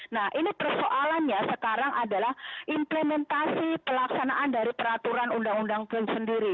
nah ini persoalannya sekarang adalah implementasi pelaksanaan dari peraturan undang undang itu sendiri